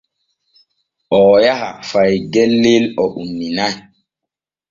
Oo yaha fay gellel o umminay.